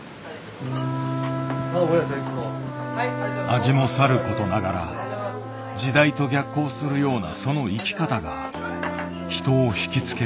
味もさることながら時代と逆行するようなその生き方が人をひき付ける。